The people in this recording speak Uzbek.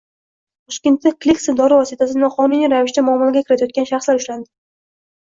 Toshkentda “Kleksan” dori vositasini noqonuniy ravishda muomalaga kiritayotgan shaxslar ushlandi